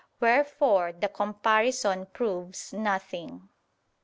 Wherefore the comparison proves nothing.